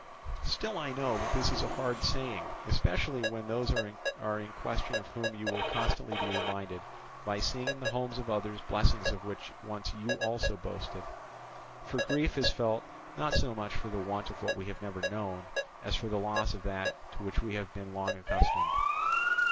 Still I know that this is a hard saying, especially when those are in question of whom you will constantly be reminded by seeing in the homes of others blessings of which once you also boasted: for grief is felt not so much for the want of what we have never known, as for the loss of that to which we have been long accustomed.